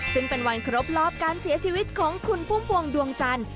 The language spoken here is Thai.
ซึ่งเป็นวันครบรอบการเสียชีวิตของคุณพุ่มพวงดวงจันทร์